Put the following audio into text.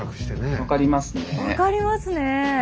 分かりますね。